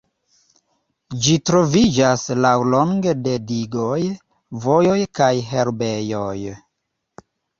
Ĝi troviĝas laŭlonge de digoj, vojoj kaj herbejoj.